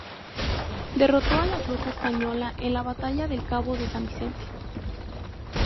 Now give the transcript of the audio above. Derrotó a la flota española en la Batalla del Cabo de San Vicente.